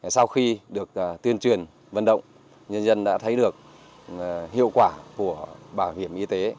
sau khi được tuyên truyền vận động nhân dân đã thấy được hiệu quả của bảo hiểm y tế